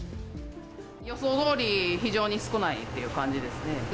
予想どおり、非常に少ないっていう感じですね。